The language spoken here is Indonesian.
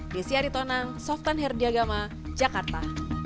desi aritonang softan herdiagama jakarta